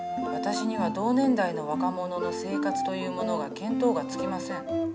私には同年代の若者の生活というものが見当がつきません。